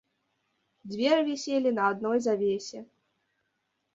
Дзверы віселі на адной завесе.